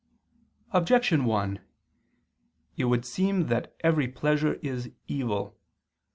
Objection 1: It would seem that every pleasure is evil.